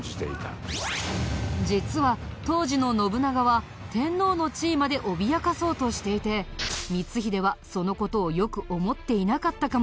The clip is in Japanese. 実は当時の信長は天皇の地位まで脅かそうとしていて光秀はその事をよく思っていなかったかもしれないんだ。